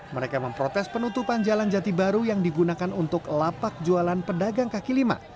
mereka memprotes penutupan jalan jati baru yang digunakan untuk lapak jualan pedagang kaki lima